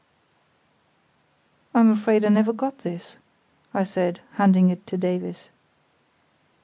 "I'm afraid I never got this!" I said, handing it to Davies.